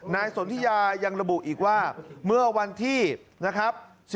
สนทิยายังระบุอีกว่าเมื่อวันที่นะครับ